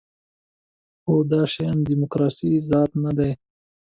خو دا شیان د دیموکراسۍ ذات نه دی.